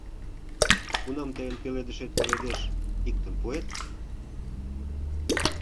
Кунам тыйын пеледышет пеледеш, иктым пуэт?